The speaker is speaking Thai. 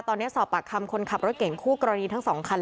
ตอนนี้สอบปากคำคนขับรถเก่งคู่กรณีทั้งสองคัน